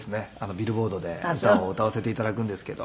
ビルボードで歌を歌わせて頂くんですけど。